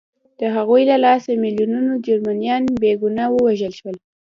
د هغوی له لاسه میلیونونه جرمنان بې ګناه ووژل شول